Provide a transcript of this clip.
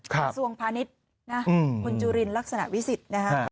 กระทรวงพาณิชย์คนจุรินลักษณะวิสิทธิ์